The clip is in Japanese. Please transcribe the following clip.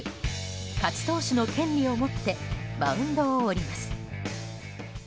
勝ち投手の権利を持ってマウンドを降ります。